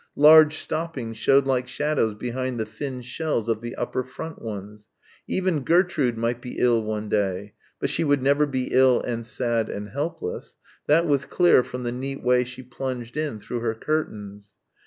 Large stoppings showed like shadows behind the thin shells of the upper front ones. Even Gertrude might be ill one day; but she would never be ill and sad and helpless. That was clear from the neat way she plunged in through her curtains....